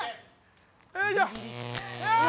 よいしょ。